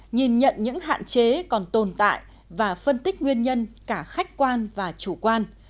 nhìn nhận những hạn chế còn tồn tại và phân tích nguyên nhân cả khách quan và chủ quan